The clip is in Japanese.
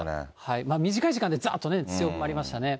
短い時間でざーっと強まりましたね。